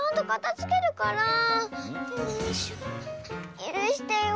ゆるしてよ。